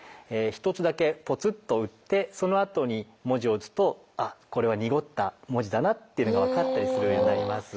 １つだけぽつっと打ってそのあとに文字を打つとこれは濁った文字だなっていうのが分かったりするようになります。